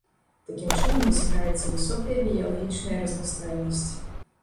Такім чынам дасягаецца высокая біялагічная разнастайнасць.